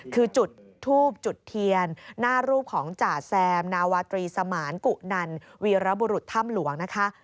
คือจุดทูบจุดเทียนหน้ารูปของจ่าแซมนาวาตรีสมานกุนันวีรบุรุษถ้ำหลวงนะคะ